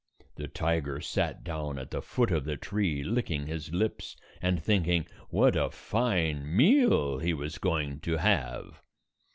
The tiger sat down at the foot of the tree, lick ing his lips, and thinking what a fine meal he was going to have.